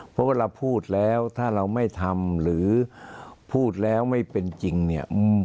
เพราะว่าเราพูดแล้วถ้าเราไม่ทำหรือพูดแล้วไม่เป็นจริงเนี่ย